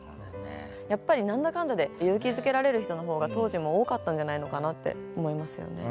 やっぱりなんだかんだで勇気づけられる人の方が当時も多かったんじゃないのかなって思いますよね。